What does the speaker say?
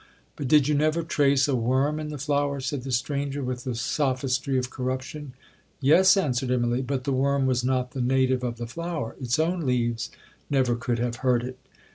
'But did you never trace a worm in the flower?' said the stranger, with the sophistry of corruption. 'Yes,' answered Immalee, 'but the worm was not the native of the flower; its own leaves never could have hurt it.'